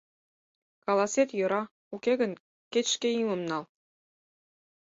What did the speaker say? Каласет — йӧра, уке гын кеч шке имым нал.